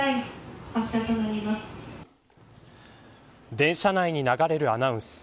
電車内に流れるアナウンス。